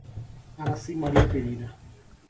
Aracy Maria Pereira